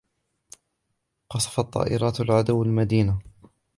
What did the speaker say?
قصفت طائرات العدوّ المدينة.